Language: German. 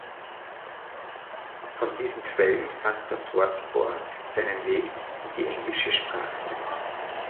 Von diesen Quellen fand das Wort "Orc" seinen Weg in die englische Sprache.